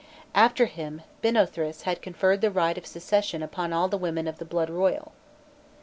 After him, Binôthris had conferred the right of succession upon all the women of the blood royal.